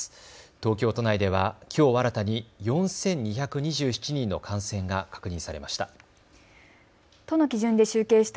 東京都内ではきょう新たに４２２７人の感染が確認されました。